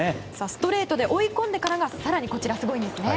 ストレートで追い込んでからが更にすごいんですね。